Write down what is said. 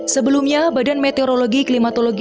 sebelumnya badan meteorologi klimatologi